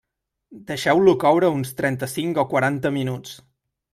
Deixeu-lo coure uns trenta-cinc o quaranta minuts.